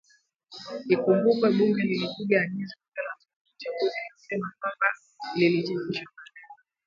Ikumbukwe bunge lilipinga agizo hilo la tume ya uchaguzi likisema kwamba lilichapishwa baada yao